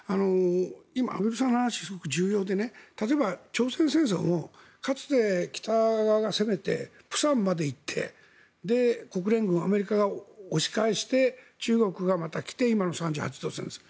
今、畔蒜さんの話すごく重要で例えば、朝鮮戦争もかつて北側が攻めて釜山まで行って国連軍、アメリカが押し返して中国がまた来て今の３８度線です。